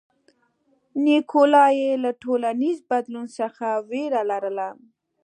نیکولای له ټولنیز بدلون څخه وېره لرله.